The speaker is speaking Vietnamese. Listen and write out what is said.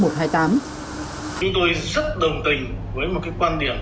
chúng tôi rất đồng tình với một quan điểm